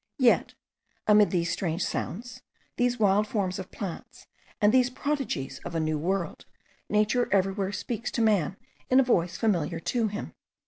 Yet amid these strange sounds, these wild forms of plants, and these prodigies of a new world, nature everywhere speaks to man in a voice familiar to him.